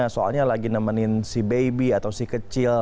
soalnya lagi nemenin si baby atau si kecil